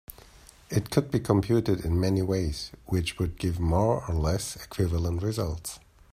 It could be computed in many ways which would give more or less equivalent results.